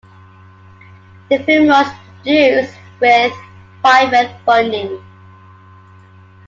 The film was produced with private funding.